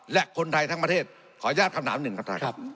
และคนไทยทั้งประเทศขออนุญาตคำถามหนึ่งครับท่านครับ